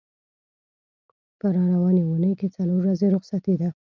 په را روانې اوونۍ کې څلور ورځې رخصتي ده.